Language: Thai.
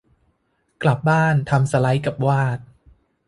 กลับบ้าน ทำสไลด์กับวาด